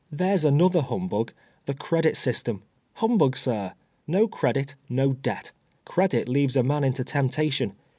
There's another humbug — the credit system — humbug, sir; no credit — no debt. Credit leads a man into tem])ta tion.